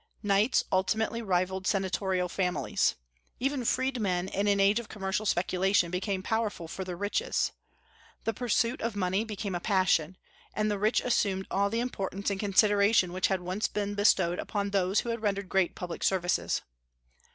Knights ultimately rivalled senatorial families. Even freedmen in an age of commercial speculation became powerful for their riches. The pursuit of money became a passion, and the rich assumed all the importance and consideration which had once been bestowed upon those who had rendered great public services.